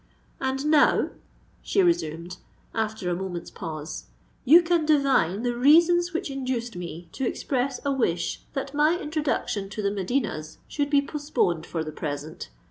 "And now," she resumed, after a moment's pause, "you can divine the reasons which induced me to express a wish that my introduction to the Medinas should be postponed for the present.